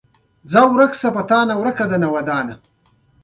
مېلمه ته له صبره کار واخله.